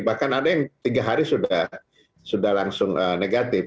bahkan ada yang tiga hari sudah langsung negatif